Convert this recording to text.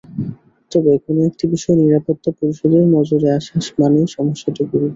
তবে কোনো একটি বিষয় নিরাপত্তা পরিষদের নজরে আসা মানেই সমস্যাটি গুরুতর।